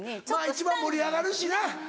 まぁ一番盛り上がるしな。